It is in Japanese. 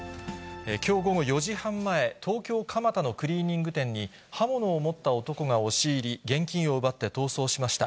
きょう午後４時半前、東京・蒲田のクリーニング店に、刃物を持った男が押し入り、現金を奪って逃走しました。